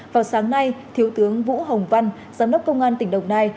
vào sáng nay thiếu tướng vũ hồng văn giám đốc công an tỉnh đồng nai